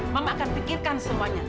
mama akan pikirkan semuanya